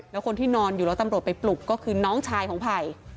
แล้วคนที่นอนอยู่แล้วตำรวจไปปลุกก็คือน้องชายของไผ่